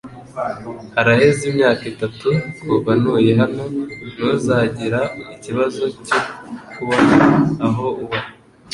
Haraheze imyaka itatu kuva ntuye hano. Ntuzagira ikibazo cyo kubona aho uba.